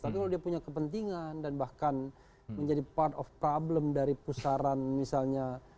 tapi kalau dia punya kepentingan dan bahkan menjadi part of problem dari pusaran misalnya